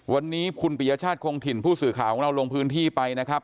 วันนี้คุณปิยชาติคงถิ่นผู้สื่อข่าวของเราลงพื้นที่ไปนะครับ